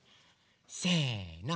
せの！